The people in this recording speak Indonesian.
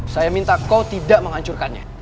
saya minta ko tidak menghancurkannya